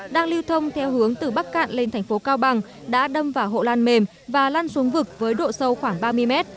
đang lưu thông theo hướng từ bắc cạn lên thành phố cao bằng đã đâm vào hộ lan mềm và lan xuống vực với độ sâu khoảng ba mươi mét